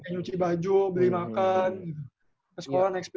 nyuci baju beli makan ke sekolah naik sepeda